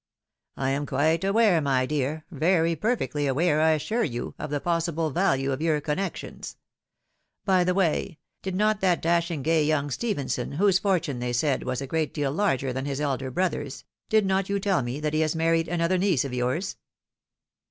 I am quite aware, my dear, very perfectly aware I assure you, of the pos sible value of your connections. By the way, did not that dashing gay young Stephenson, whose fortune they said was a great deal larger than his elder brother's, did not you tell me that he had married another niece of yours